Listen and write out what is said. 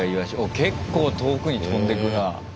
結構遠くに飛んでくな。